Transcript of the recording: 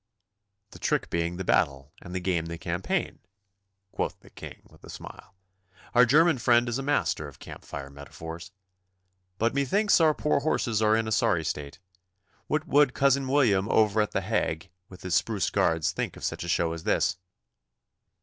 'The trick being the battle and the game the campaign,' quoth the King, with a smile. 'Our German friend is a master of camp fire metaphors. But methinks our poor horses are in a sorry state. What would cousin William over at The Hague, with his spruce guards, think of such a show as this?